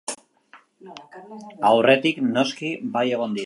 Aurretik, noski, bai egon dira.